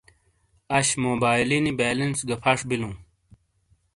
اش موبائیلینی بیلنس گہ پھش بِیلوں۔